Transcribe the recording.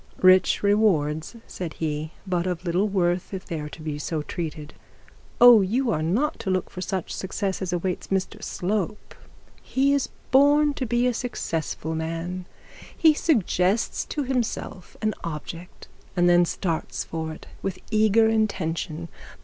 'Rich rewards,' said he; 'but of little worth if they are to be so treated.' 'Oh, you are not to look for such success as awaits Mr Slope. He is born to be a successful man. He suggests to himself an object, and then starts for it with eager intention.